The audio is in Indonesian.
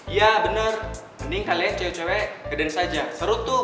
iya bener mending kalian cewek cewek ngedance aja seru tuh